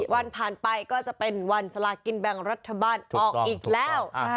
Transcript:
วันผ่านไปก็จะเป็นวันสลากินแบ่งรัฐบาลออกอีกแล้ว